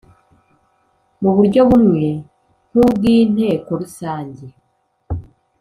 mu buryo bumwe nk ubw inteko Rusange